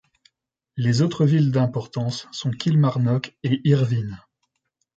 Les autres villes d'importance sont Kilmarnock et Irvine.